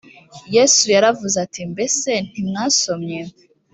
yesu yaravuze ati ‘’ mbese ntimwasomye ?